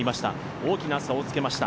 大きな差をつけました